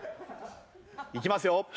いきますよ。